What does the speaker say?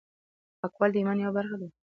پاکوالی د ایمان یوه برخه ده.